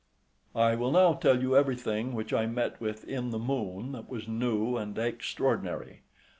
I will now tell you every thing which I met with in the Moon that was new and extraordinary.